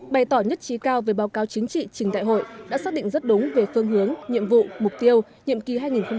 bày tỏ nhất trí cao về báo cáo chính trị trình đại hội đã xác định rất đúng về phương hướng nhiệm vụ mục tiêu nhiệm kỳ hai nghìn hai mươi hai nghìn hai mươi năm